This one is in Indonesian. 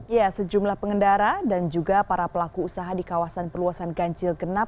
ya sejumlah pengendara dan juga para pelaku usaha di kawasan perluasan ganjil genap